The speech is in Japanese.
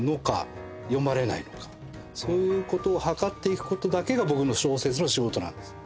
そういうことを測っていくことだけが僕の小説の仕事なんです。